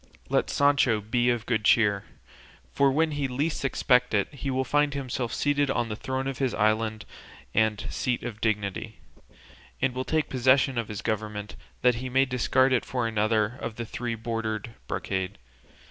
Let Sancho be of good cheer; for when he least expects it he will find himself seated on the throne of his island and seat of dignity, and will take possession of his government that he may discard it for another of three bordered brocade.